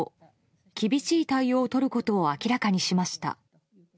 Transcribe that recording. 厳しい対応をとることを明らかにしました。